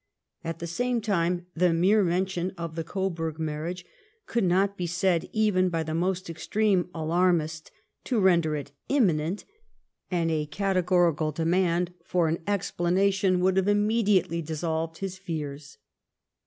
At the same time the mere mention of the Coburg marriage could not be said, even by the most extreme alarmist, to render it '^ imminent," and a categorical demand for an explanation would have iiAmediately dissolved his fears.